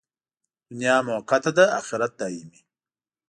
دنیا موقته ده، اخرت دایمي.